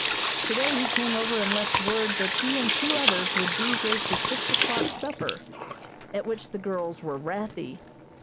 Today he came over and left word that he and two others would be here to six o'clock supper, at which the girls were wrathy.